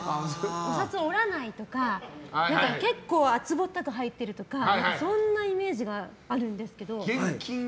お札を折らないとか結構、厚ぼったく入ってるとかそんなイメージがあるんですけど。